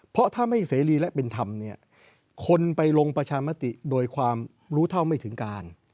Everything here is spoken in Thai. เพราะถ้าไม่เสรีและเป็นธรรมเนี่ยคนไปลงประชามติโดยความรู้เท่าไม่ถึงการ